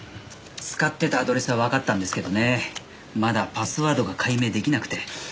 使ってたアドレスはわかったんですけどねまだパスワードが解明出来なくて。